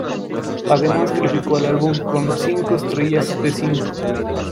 Además, calificó al álbum con cinco estrellas de cinco.